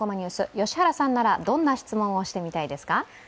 良原さんならどんな質問をしてみたいですか？